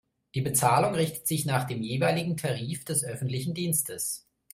Die Bezahlung richtet sich nach dem jeweiligen Tarif des öffentlichen Dienstes.